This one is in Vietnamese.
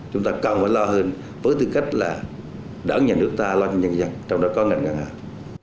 chúng ta cần phải lo hơn với tư cách là đảng nhà nước ta lo cho nhân dân trong đó có ngành ngân hàng